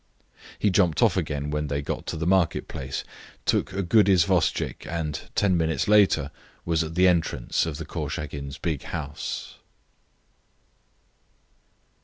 He jumped off again when they got to the market place, took a good isvostchik, and ten minutes later was at the entrance of the Korchagins' big house.